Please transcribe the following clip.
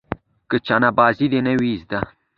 که چنه بازي دې نه وي زده.